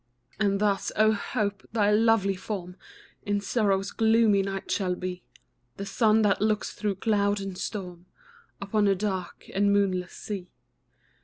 And thus, oh Hope! thy lovely form In sorrow's gloomy night shall be The sun that looks through cloud and storm Upon a dark and moonless sea.